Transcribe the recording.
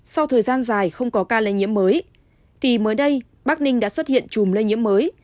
sau thời gian dài không có ca lây nhiễm mới thì mới đây bắc ninh đã xuất hiện chùm lây nhiễm mới